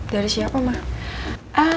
dari siapa ma